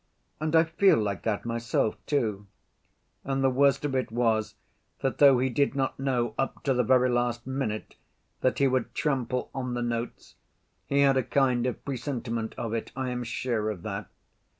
And I feel like that myself, too. And the worst of it was that though he did not know, up to the very last minute, that he would trample on the notes, he had a kind of presentiment of it, I am sure of that.